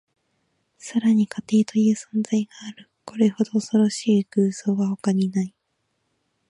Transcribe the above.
さらに、家庭という存在がある。これほど恐ろしい偶像は他にない。